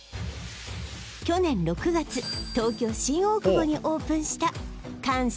去年６月東京新大久保にオープンした感謝